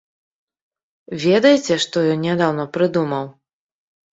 Ведаеце, што ён нядаўна прыдумаў?